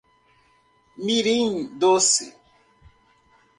Mirim Doce